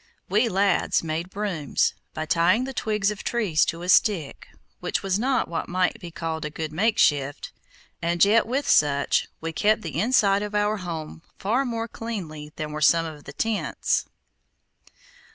We lads made brooms, by tying the twigs of trees to a stick, which was not what might be called a good makeshift, and yet with such we kept the inside of our home far more cleanly than were some of the tents.